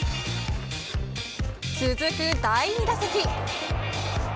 続く第２打席。